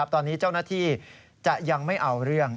ตอนนี้เจ้าหน้าที่จะยังไม่เอาเรื่อง